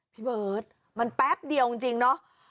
พี่เบิร์ตมันแป๊บเดียวจริงเนาะ